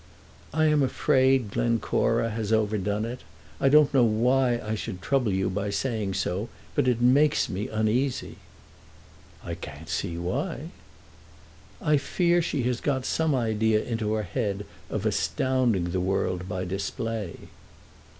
"I am afraid Glencora has overdone it. I don't know why I should trouble you by saying so, but it makes me uneasy." "I can't see why." "I fear she has got some idea into her head of astounding the world by display."